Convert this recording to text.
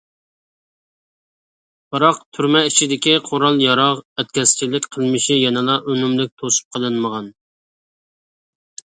بىراق تۈرمە ئىچىدىكى قورال- ياراغ ئەتكەسچىلىك قىلمىشى يەنىلا ئۈنۈملۈك توسۇپ قېلىنمىغان.